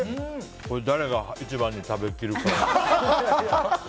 これ、誰が一番に食べきるか。